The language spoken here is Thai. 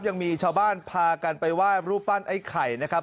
ยังมีชาวบ้านพากันไปไหว้รูปปั้นไอ้ไข่นะครับ